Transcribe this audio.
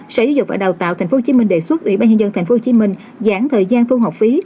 sở giáo dục và đào tạo tp hcm đề xuất ủy ban nhân dân tp hcm giãn thời gian thu học phí